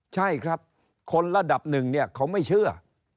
ใช่ครับคนระดับหนึ่งเนี่ยเขาไม่เชื่อ